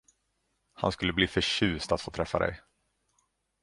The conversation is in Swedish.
Han skulle bli förtjust att få träffa dig.